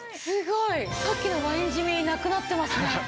さっきのワイン染みなくなってますね。